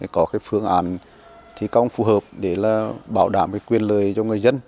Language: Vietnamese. có cái phương án thi công phù hợp để bảo đảm quyền lời cho người dân